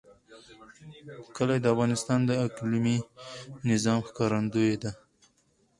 کلي د افغانستان د اقلیمي نظام ښکارندوی ده.